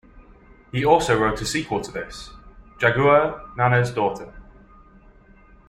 He also wrote a sequel to this, "Jagua Nana's Daughter".